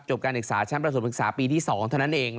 การศึกษาชั้นประสมศึกษาปีที่๒เท่านั้นเอง